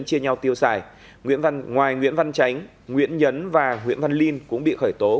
chia nhau tiêu xài ngoài nguyễn văn chánh nguyễn nhấn và nguyễn văn lin cũng bị khởi tố